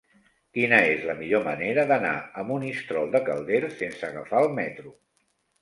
Quina és la millor manera d'anar a Monistrol de Calders sense agafar el metro?